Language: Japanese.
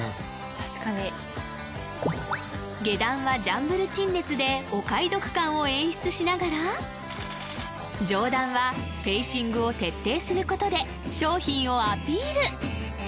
確かに下段はジャンブル陳列でお買い得感を演出しながら上段はフェイシングを徹底することで商品をアピール